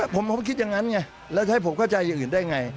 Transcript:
ผมคิดอย่างนั้นไงแล้วจะให้ผมเข้าใจอย่างอื่นได้ไง